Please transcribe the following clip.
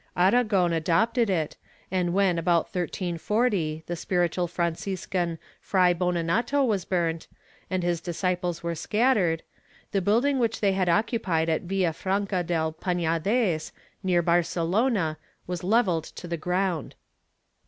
^ Aragon adopted it and when, about 1340, the Spiritual Franciscan Fray Bonanato was burnt, and his disciples were scattered, the building which they had occupied at Villafranca del Panades, near Barcelona, was levelled to the ground.'